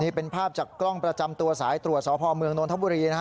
นี่เป็นภาพจากกล้องประจำตัวสายตรวจสพเมืองนทบุรีนะฮะ